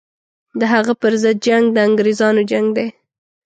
د هغه پر ضد جنګ د انګرېزانو جنګ دی.